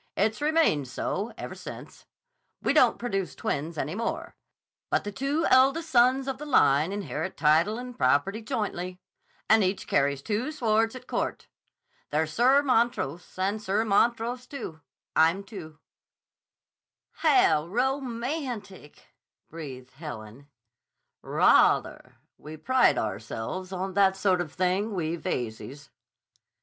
It's remained so ever since. We don't produce twins any more, but the two eldest sons of the line inherit title and property jointly, and each carries two swords at court. There's Sir Montrose and Sir Montrose II. I'm II." [Illustration: "There are two of us to the divided title"] "How romantic!" breathed Helen. "Rah ther. We pride ourselves on that sort of thing, we Veyzes."